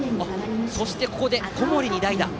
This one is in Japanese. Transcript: そしてここで小森に代打。